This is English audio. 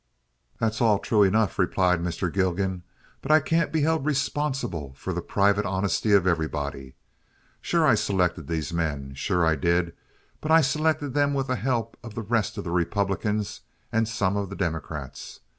"That's all true enough," replied Mr. Gilgan; "but I can't be held responsible for the private honesty of everybody. Sure I selected these men. Sure I did! But I selected them with the help of the rest of the Republicans and some of the Democrats.